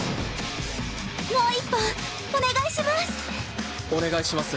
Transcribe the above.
もう一本お願いします。